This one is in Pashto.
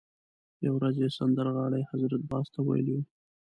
یوه ورځ یې سندرغاړي حضرت باز ته ویلي وو.